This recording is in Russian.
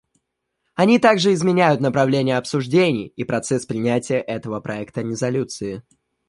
Они также изменяют направление обсуждений и процесс принятия этого проекта резолюции.